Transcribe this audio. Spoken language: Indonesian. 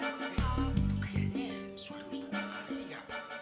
eh sokri ustadz jakaria